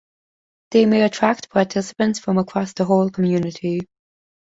They may attract participants from across the whole community.